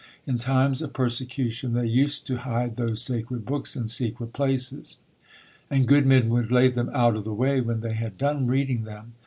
In times of persecution, they used to hide those sacred books in secret places, and good men would lay them out of the way when they had done reading them.